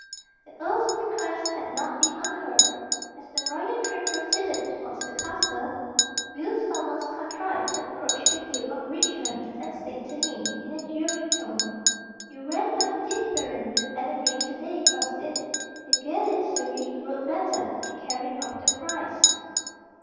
The earl's request had not been unheard. As the royal train proceeded towards the castle, Will Sommers contrived to approach the Duke of Richmond, and said to him, in a jeering tone "You ran but indifferently at the ring to day, gossip. The galliard Surrey rode better, and carried off the prize."